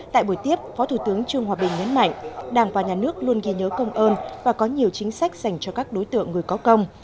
tại buổi tiếp phó thủ tướng trương hòa bình nhấn mạnh đảng và nhà nước luôn ghi nhớ công ơn và có nhiều chính sách dành cho các đối tượng người có công